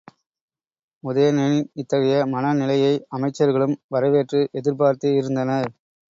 உதயணனின் இத்தகைய மன நிலையை அமைச்சர்களும் வரவேற்று எதிர்பார்த்தே இருந்தனர்.